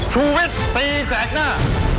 ชูวิทย์ตีแสกหน้า